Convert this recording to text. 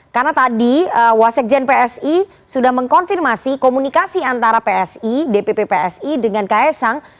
karena tadi wasekjen psi sudah mengkonfirmasi komunikasi antara psi dpp psi dengan kaesang